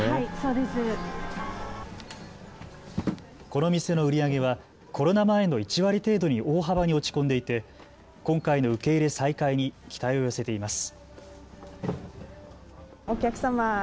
この店の売り上げはコロナ前の１割程度に大幅に落ち込んでいて今回の受け入れ再開に期待を寄せています。